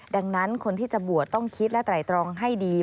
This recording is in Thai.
ดังนั้นคนที่จะบวชต้องคิดและไตรตรองให้ดี